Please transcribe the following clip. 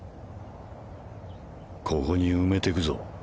ここに埋めてくぞ。